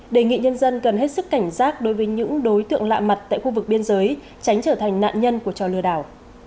đề nghị nhân dân cần hết sức cảnh giác đối với những đối tượng lạ mặt tại khu vực biên giới tránh trở thành nạn nhân của trò lừa đảo